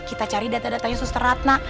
kita cari data datanya susteratna